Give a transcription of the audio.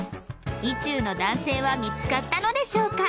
意中の男性は見つかったのでしょうか？